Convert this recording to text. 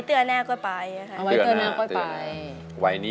กระแซะเข้ามาสิ